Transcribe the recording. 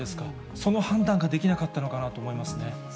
その判断ができなかったのかなと思いますね。